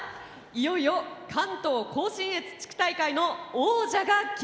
いよいよ関東甲信越地区大会の王者が決まります。